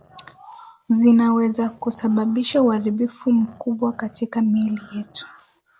Zinaweza kusababisha uharibifu mkubwa katika miili yetu